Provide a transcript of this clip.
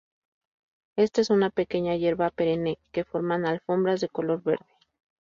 Esta es una pequeña hierba perenne que forman alfombras de color verde.